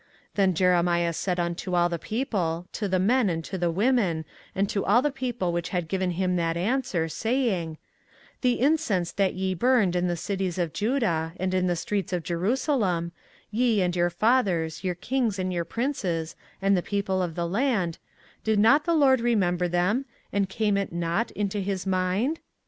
24:044:020 Then Jeremiah said unto all the people, to the men, and to the women, and to all the people which had given him that answer, saying, 24:044:021 The incense that ye burned in the cities of Judah, and in the streets of Jerusalem, ye, and your fathers, your kings, and your princes, and the people of the land, did not the LORD remember them, and came it not into his mind?